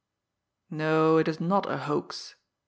... No, it is not a hoax!"